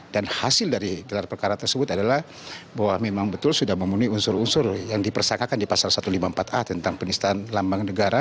dan hasil dari gelar perkara tersebut adalah bahwa memang betul sudah memenuhi unsur unsur yang dipersangkakan di pasal satu ratus lima puluh empat a tentang penistaan lambang negara